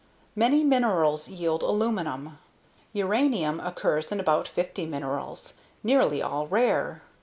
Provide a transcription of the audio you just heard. Many minerals yield aluminum. Uranium occurs in about 50 minerals, nearly all rare.